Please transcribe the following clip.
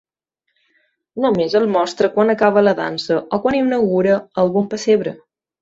Només el mostra quan acaba la dansa o quan inaugura algun pessebre.